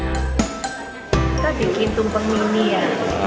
kita bikin tumpeng mini ya